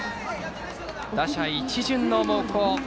打者一巡の猛攻。